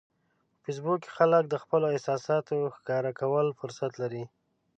په فېسبوک کې خلک د خپلو احساساتو ښکاره کولو فرصت لري